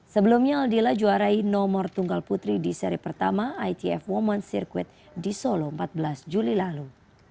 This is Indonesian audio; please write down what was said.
sebelumnya aldila juarai nomor tunggal putri di seri pertama itf women circuit di solo empat belas juli lalu